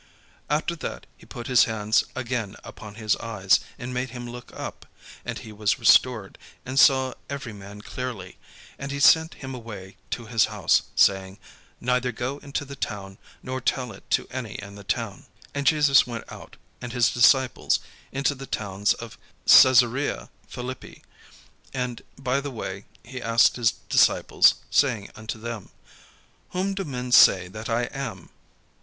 After that he put his hands again upon his eyes, and made him look up: and he was restored, and saw every man clearly. And he sent him away to his house, saying: "Neither go into the town, nor tell it to any in the town." And Jesus went out, and his disciples, into the towns of Caesarea Philippi: and by the way he asked his disciples, saying unto them: "Whom do men say that I am?"